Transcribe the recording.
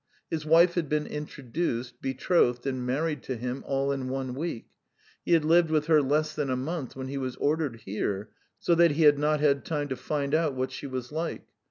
His wife had been introduced, betrothed, and married to him all in one week: he had lived with her less than a month when he was ordered here, so that he had not had time to find out what she was like.